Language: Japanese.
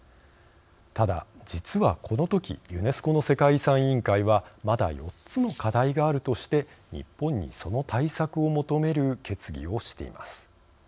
ただ実は、このときユネスコの世界遺産委員会はまだ４つの課題があるとして日本に、その対策を求める決議をしています。